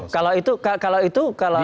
kalau itu kalau itu kalau